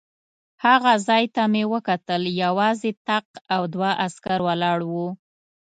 هغه ځای ته چې مې وکتل یوازې طاق او دوه عسکر ولاړ و.